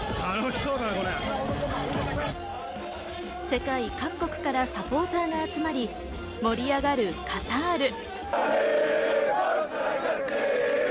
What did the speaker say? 世界各国からサポーターが集まり、盛り上がるカタール。